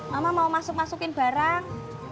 mama mau masuk masukin barang